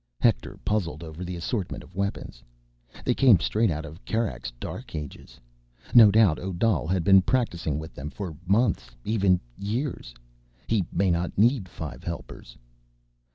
_ Hector puzzled over the assortment of weapons. They came straight out of Kerak's Dark Ages. No doubt Odal had been practicing with them for months, even years. He may not need five helpers.